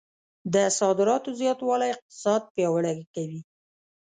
د صادراتو زیاتوالی اقتصاد پیاوړی کوي.